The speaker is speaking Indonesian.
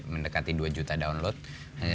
mendekati dua juta download